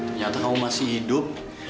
ternyata kamu masih hidup